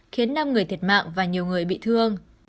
khiến năm người thiệt mạng và nhiều người bị thương